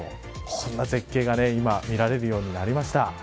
こんな絶景が今見られるようになりました。